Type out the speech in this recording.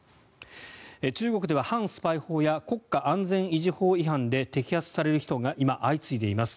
中国では反スパイ法や国家安全維持法違反で摘発される人が今、相次いでいます。